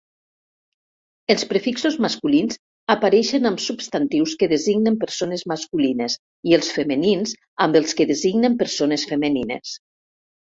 Els prefixos masculins apareixen amb substantius que designen persones masculines, i els femenins amb els que designen persones femenines.